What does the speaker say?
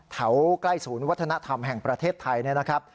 ใกล้ศูนย์วัฒนธรรมแห่งประเทศไทยนะครับ